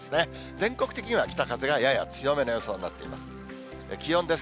全国的には北風がやや強めの予想になっています。